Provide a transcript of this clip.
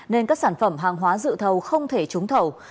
nên các sản phẩm hàng hóa dự thầu không thể trúng thầu